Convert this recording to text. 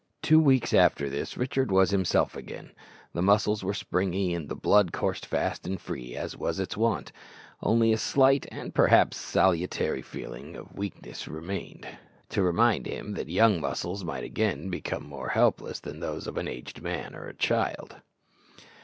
Two weeks after this "Richard was himself again." The muscles were springy, and the blood coursed fast and free, as was its wont. Only a slight, and, perhaps, salutary feeling of weakness remained, to remind him that young muscles might again become more helpless than those of an aged man or a child.